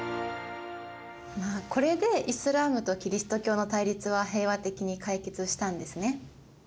まあこれでイスラームとキリスト教の対立は平和的に解決したんですね。